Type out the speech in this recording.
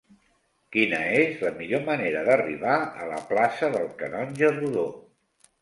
Quina és la millor manera d'arribar a la plaça del Canonge Rodó?